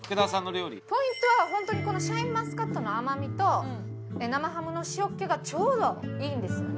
ポイントは本当にこのシャインマスカットの甘みと生ハムの塩っ気がちょうどいいんですよね。